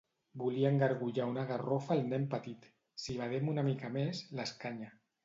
Volia engargullar una garrofa al nen petit; si badem una mica més, l'escanya.